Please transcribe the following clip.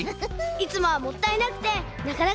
いつもはもったいなくてなかなかできないもんね！